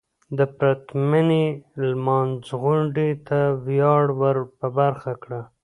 د پرتمينې لمانځغونډې ته وياړ ور په برخه کړه .